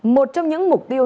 một trong những mục tiêu